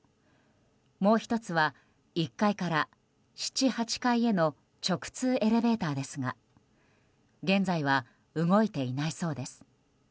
もう１つは１階から７、８階への直通エレベーターですが現在は動いていないそうです。